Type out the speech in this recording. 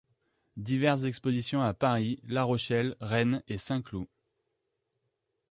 Diverses expositions à Paris, La Rochelle, Rennes et Saint-Cloud.